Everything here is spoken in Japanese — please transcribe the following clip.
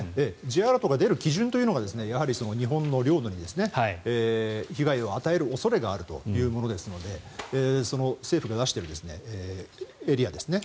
Ｊアラートが出る基準というのがやはり日本の領土に被害を与える恐れがあるというものですので政府が出しているエリアですね